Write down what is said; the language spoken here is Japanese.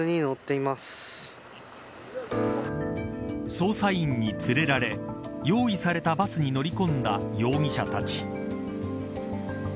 捜査員に連れられ用意されたバスに乗り込んだ容疑者たち。